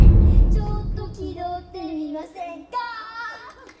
「ちょっと気取ってみませんか」